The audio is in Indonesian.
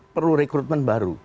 perlu rekrutmen baru